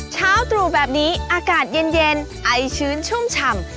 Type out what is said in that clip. เช้าตรู่แบบนี้อากาศเย็นไอชื้นชุ่มฉ่ำ